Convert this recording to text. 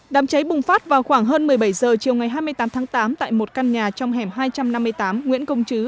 đám cháy bùng phát vào khoảng hơn một mươi bảy h chiều ngày hai mươi tám tháng tám tại một căn nhà trong hẻm hai trăm năm mươi tám nguyễn công chứ